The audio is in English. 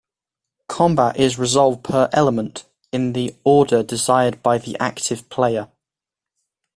Combat is resolved per-element, in the order desired by the active player.